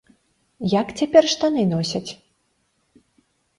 Як цяпер штаны носяць?